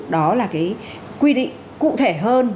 đó là cái quy định cụ thể hơn